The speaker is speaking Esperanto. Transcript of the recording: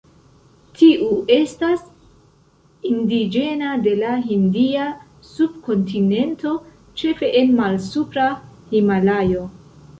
Tiu estas indiĝena de la Hindia subkontinento, ĉefe en Malsupra Himalajo.